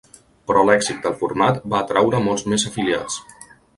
Però l'èxit del format va atraure molt més afiliats.